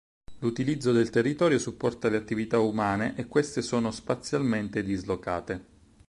L'utilizzo del territorio supporta le attività umane e queste sono spazialmente dislocate.